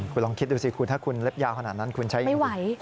คุณลองคิดดูสิคุณถ้าคุณเล็บยาวขนาดนั้นคุณใช้ไม่ไหว